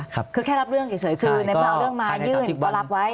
คือแค่รับเรื่องเฉยคือในเมื่อเอาเรื่องมายื่นก็รับไว้